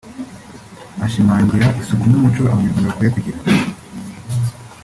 Ashimangira isuku nk’umuco Abanyarwanda bakwiye kugira